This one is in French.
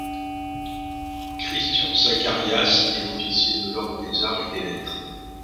Christian Zacharias est officier de l'Ordre des arts et des lettres.